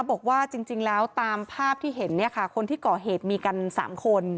บอกว่าจริงแล้วตามภาพที่เห็นเนี่ยค่ะคนที่ก่อเหตุมีกัน๓คน